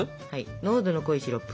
濃度の濃いシロップ。